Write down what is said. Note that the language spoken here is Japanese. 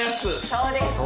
そうです！